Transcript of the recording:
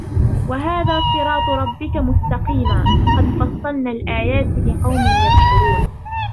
وهذا صراط ربك مستقيما قد فصلنا الآيات لقوم يذكرون